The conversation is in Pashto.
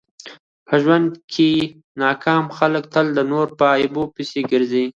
په ژوند کښي ناکام خلک تل د نور په عیبو پيسي ګرځي.